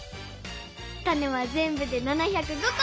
タネはぜんぶで７０５こ！